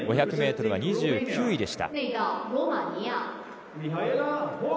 ５００ｍは２９位でした。